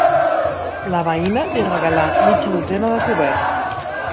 La veïna li regalà mitja dotzena de coberts.